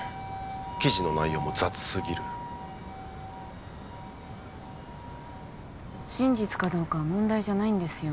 記事の内容も雑すぎる真実かどうかは問題じゃないんですよ